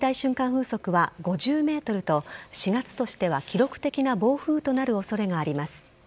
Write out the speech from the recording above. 風速は５０メートルと４月としては記録的な暴風となる恐れがあります。